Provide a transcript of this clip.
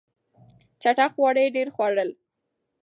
چټک خواړه یې ډېر خوړل.